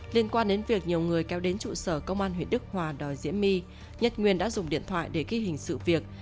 liên quan đến việc nhiều người kéo đến trụ sở công an huyện đức hòa đòi diễm my nhất nguyên đã dùng điện thoại để ghi hình sự việc